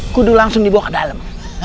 kudu langsung dibawa ke dalam